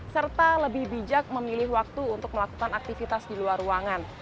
serta lebih bijak memilih waktu untuk melakukan aktivitas di luar ruangan